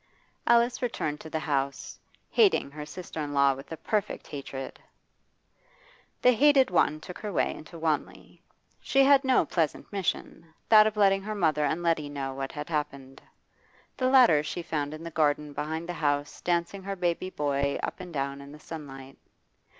Alice returned to the house, hating her sister in law with a perfect hatred. The hated one took her way into Wanley. She had no pleasant mission that of letting her mother and Letty know what had happened. The latter she found in the garden behind the house dancing her baby boy up and down in the sunlight.